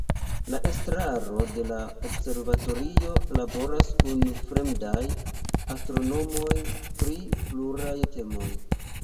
La estraro de la observatorio laboras kun fremdaj astronomoj pri pluraj temoj.